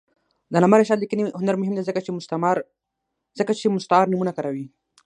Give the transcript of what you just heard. د علامه رشاد لیکنی هنر مهم دی ځکه چې مستعار نومونه کاروي.